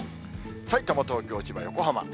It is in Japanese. さいたま、東京、千葉、横浜。